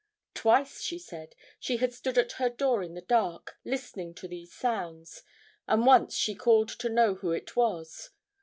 Twice, she said, she had stood at her door in the dark, listening to these sounds, and once she called to know who it was.